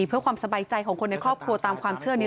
เพื่อความสบายใจของคนในครอบครัวตามความเชื่อนี้